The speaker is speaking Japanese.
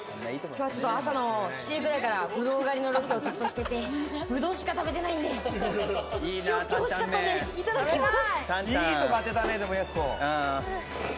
朝の７時ぐらいから、ぶどう狩りのロケをずっとしてて、ブドウしか食べてないんで、塩気欲しかったんでいただきます。